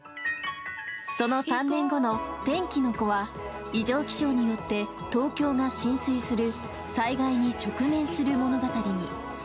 その３年後の「天気の子」は異常気象によって東京が浸水する災害に直面する物語。